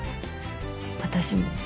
私も